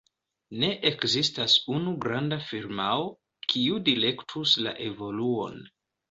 Ne ekzistas unu granda firmao, kiu direktus la evoluon.